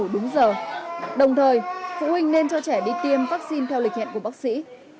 đồng thời phụ huynh nên cho trẻ đi tiêm vaccine theo lịch hẹn của bác sĩ